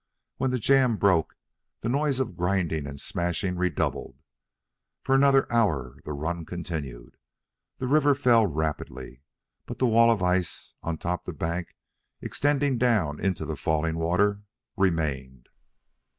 When the jam broke, the noise of grinding and smashing redoubled. For another hour the run continued. The river fell rapidly. But the wall of ice on top the bank, and extending down into the falling water, remained.